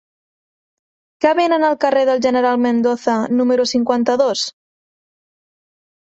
Què venen al carrer del General Mendoza número cinquanta-dos?